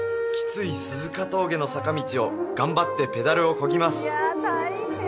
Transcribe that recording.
きつい鈴鹿峠の坂道を頑張ってペダルをこぎます